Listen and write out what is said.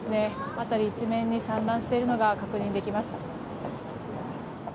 辺り一面に散乱しているのが確認できます。